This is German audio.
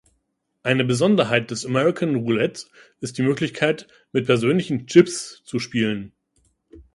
Eine Besonderheit des American Roulette ist die Möglichkeit, mit persönlichen "Chips" zu spielen.